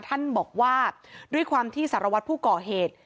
ท่านบอกว่าด้วยความที่สารวัตรผู้ก่อเหตุ